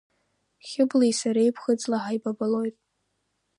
Хьыблеи сареи ԥхыӡла ҳаибабалоит.